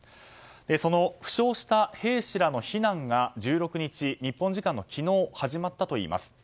その負傷した兵士らの避難が１６日日本時間の昨日始まったということです。